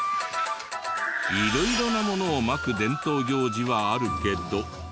色々なものをまく伝統行事はあるけど。